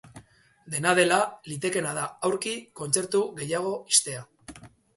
Dena dela, litekeena da aurki kontzertu gehiago ixtea.